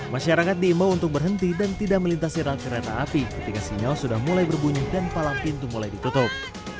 masyarakat diimbau untuk berhenti dan tidak melintasi rel kereta api ketika sinyal sudah mulai berbunyi dan palang pintu mulai ditutup